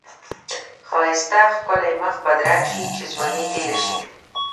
ښایسته ښکلی مخ بدرنګ شی چی ځوانی تیره شی.